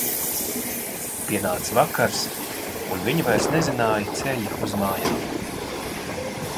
Pienāca vakars, un viņa vairs nezināja ceļu uz mājām.